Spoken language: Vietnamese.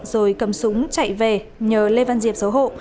dùng súng chạy về nhờ lê văn diệp giấu hộ